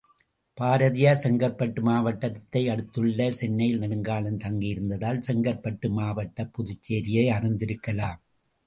பாரதியார் செங்கற்பட்டு மாவட்டத்தை அடுத்துள்ள சென்னையில் நெடுங்காலம் தங்கியிருந்ததால், செங்கற்பட்டு மாவட்டப் புதுச்சேரியை அறிந்திருக்கலாம்.